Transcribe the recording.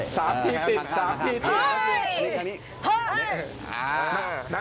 สามที่ติดสามที่ติด